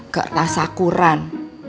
gak tahu sakuran